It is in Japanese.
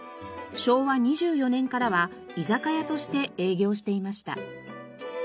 昭和２４年からは居酒屋として営業していました。